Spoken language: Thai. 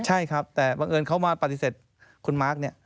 ใช่ครับแต่บังเอิญเขามาปฏิเสธคุณมาร์คเนี่ย